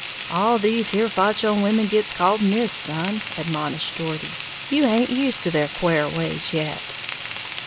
"All these here fotch on women gits called Miss, son," admonished Geordie; "you haint used to their quare ways yet."